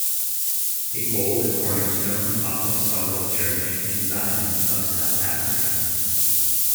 The Old Cornerstone Apostolic Church in Zion of South Africa.